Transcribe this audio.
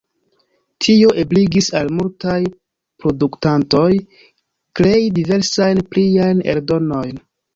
Tio ebligis al multaj produktantoj krei diversajn pliajn eldonojn.